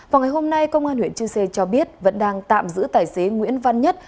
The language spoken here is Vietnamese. vào ngày hôm nay công an huyện chư sê cho biết vẫn đang tạm giữ tài xế nguyễn văn nhất